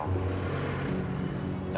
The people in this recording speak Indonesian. aku kan udah bikin kesalahan fatal